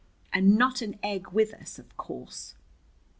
And not an egg with us, of course."